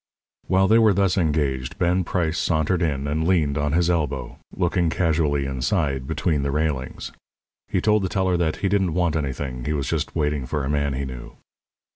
While they were thus engaged Ben Price sauntered in and leaned on his elbow, looking casually inside between the railings. He told the teller that he didn't want anything; he was just waiting for a man he knew.